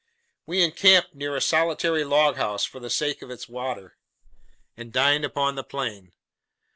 We encamped near a solitary log house, for the sake of its water, and dined upon the plain.